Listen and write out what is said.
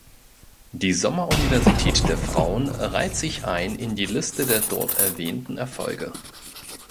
Die "Sommeruniversität für Frauen" reiht sich ein in die Liste der dort erwähnten Erfolge.